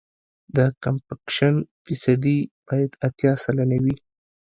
د کمپکشن فیصدي باید اتیا سلنه وي